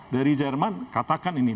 dari jerman katakan ini